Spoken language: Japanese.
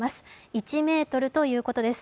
１ｍということです。